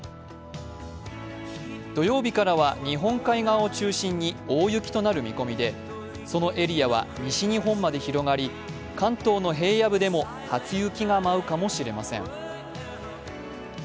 土曜日からは日本海側を中心に大雪となる見込みでそのエリアは西日本まで広がり関東の平野部でも初雪が舞うかもしれません。